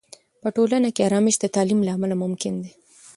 په ټولنه کې آرامش د تعلیم له امله ممکن دی.